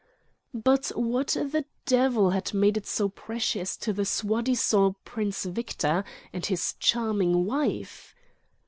But what the devil had made it so precious to the soi disant Prince Victor and his charming wife?